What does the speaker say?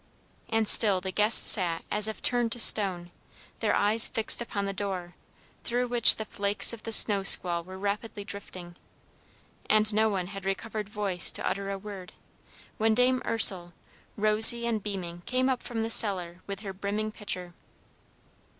And still the guests sat as if turned to stone, their eyes fixed upon the door, through which the flakes of the snow squall were rapidly drifting; and no one had recovered voice to utter a word, when Dame Ursel, rosy and beaming, came up from the cellar with her brimming pitcher.